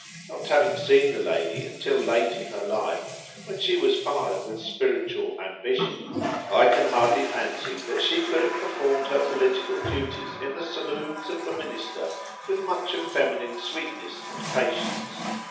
Not having seen the lady until late in her life, when she was fired with spiritual ambition, I can hardly fancy that she could have performed her political duties in the saloons of the Minister with much of feminine sweetness and patience.